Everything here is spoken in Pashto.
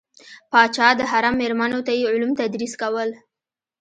پاچا د حرم میرمنو ته یې علوم تدریس کول.